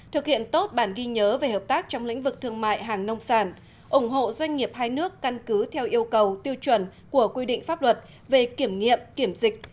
thực hiện tốt bản ghi nhớ về hợp tác trong lĩnh vực thương mại hàng nông sản ủng hộ doanh nghiệp hai nước căn cứ theo yêu cầu tiêu chuẩn của quy định pháp luật về kiểm nghiệm kiểm dịch